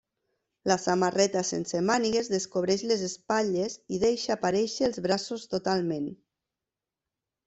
La samarreta sense mànigues descobreix les espatlles, i deixa aparèixer els braços totalment.